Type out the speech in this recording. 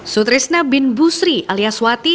sutrisna bin busri alias wati